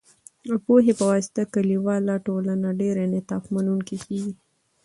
د پوهې په واسطه، کلیواله ټولنه ډیر انعطاف منونکې کېږي.